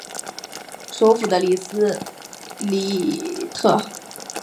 首府的里雅斯特。